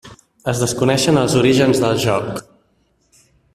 Es desconeixen els orígens del joc.